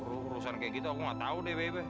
urusan kayak gitu aku gak tau deh